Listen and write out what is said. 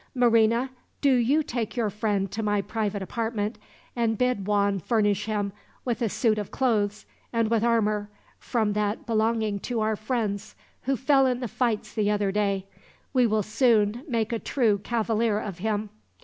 "Marina, do you take your friend to my private apartment, and bid Juan furnish him with a suit of clothes; and with armor, from that belonging to our friends who fell in the fights the other day. We will soon make a true cavalier of him."